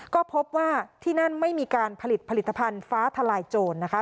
ก็พบว่าที่นั่นไม่มีการผลิตผลิตภัณฑ์ฟ้าทลายโจรนะคะ